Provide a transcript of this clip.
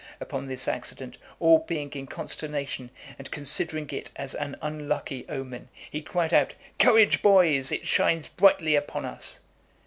Upon this accident, all being in consternation, and considering it as an unlucky omen, he cried out, "Courage, boys! it shines brightly upon us."